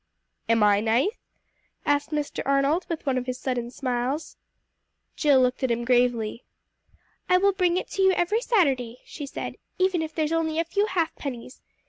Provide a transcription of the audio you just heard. "Am I nice?" asked Mr. Arnold, with one of his sudden smiles. Jill looked at him gravely. "I will bring it to you every Saturday," she said, "even if there's only a few half pennies.